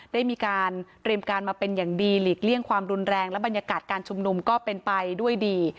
ได้มีการเตรียมการมาเป็นอย่างดีหลีกเลี่ยงความรุนแรงและบรรยากาศการชุมนุมก็เป็นไปด้วยดี